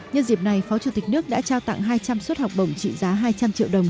nhân dịp này phó chủ tịch nước đã trao tặng hai trăm linh suất học bổng trị giá hai trăm linh triệu đồng